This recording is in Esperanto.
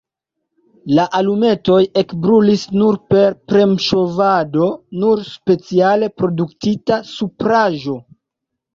La alumetoj ekbrulis nur per premŝovado sur speciale produktita supraĵo.